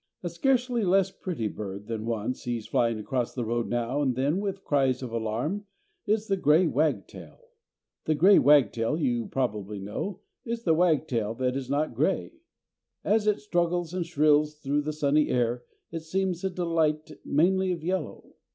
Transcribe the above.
A scarcely less pretty bird that one sees flying across the road now and then with cries of alarm is the grey wagtail. The grey wagtail, you probably know, is the wagtail that is not grey. As it struggles and shrills through the sunny air, it seems a delight mainly of yellow.